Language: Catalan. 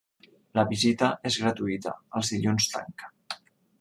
La visita és gratuïta, els dilluns tanca.